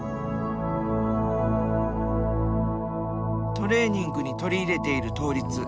トレーニングに取り入れている倒立。